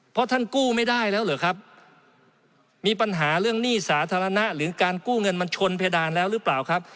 เพราะท่านกู้ไม่ได้แล้วเหรอครับมีปัญหาเรื่องหนี้สาธารณะหรือการกู้เงินมันชนเพดานแล้วหรือเปล่าครับ